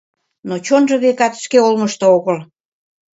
Но чонжо, векат, шке олмышто огыл.